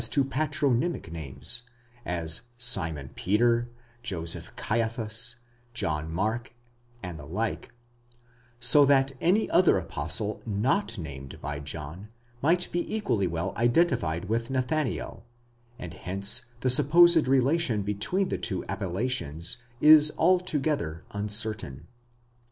to patronymic names, as Simon Peter, Joseph Caiaphas, John Mark, and the like ; so that any other apostle not named by John might be equally well identified with Nathanael, and hence the supposed relation between the two: appellations is altogether uncertain.